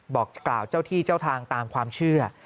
บอกกล่าวเจ้าที่เจ้าทางตามความเชื่อ